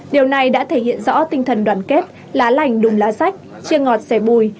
điều này đã thể hiện rõ tinh thần đoàn kết lá lành đùm lá sách chia ngọt xe bùi